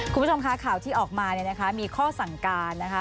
คุณผู้ชมคะข่าวที่ออกมาเนี่ยนะคะมีข้อสั่งการนะคะ